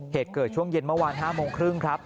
เหตุเกิดช่วงเย็นเมื่อวาน๕โมงครึ่งครับ